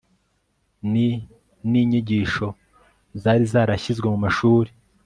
ni n'inyigisho zari zarashyizwe mu mashuri